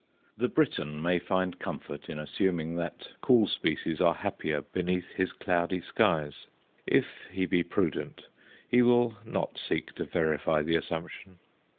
The Briton may find comfort in assuming that cool species are happier beneath his cloudy skies; if he be prudent, he will not seek to verify the assumption.